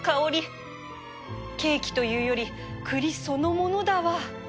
ケーキというより栗そのものだわ